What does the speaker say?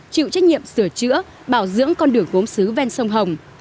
chịu trách nhiệm sửa chữa bảo dưỡng con đường gốm xứ ven sông hồng